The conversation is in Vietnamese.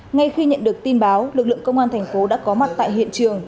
ngay khi nhận được tin báo lực lượng công an tp đã có mặt tại hiện trường